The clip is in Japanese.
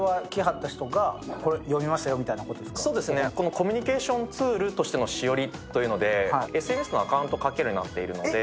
コミュニケーションツールのしおりとなっていてＳＮＳのアカウントを書けるようになっているので。